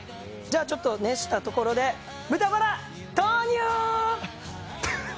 ちょっと熱したところで、豚バラ投入！